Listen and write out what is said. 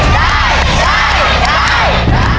ได้ได้ได้